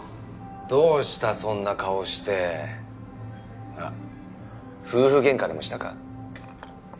どうしたそんな顔してあっ夫婦喧嘩でもしたか？